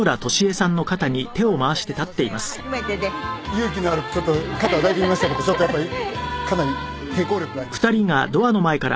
勇気のあるちょっと肩を抱いてみましたけどやっぱりかなり抵抗力がありましたね。